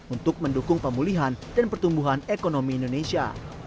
untuk mendukung pemulihan dan pertumbuhan ekonomi indonesia